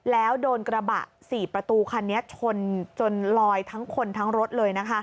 แล้วโดนกระบะ๔ประตูคันนี้ชนจนลอยทั้งคนทั้งรถเลยนะคะ